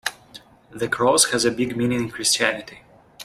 The cross has a big meaning in Christianity.